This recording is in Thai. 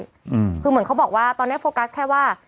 อืมคือเหมือนเขาบอกว่าตอนเนี้ยโฟกัสแค่ว่า